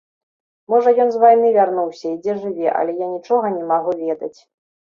Можа, ён з вайны вярнуўся і дзе жыве, але я нічога не магу ведаць.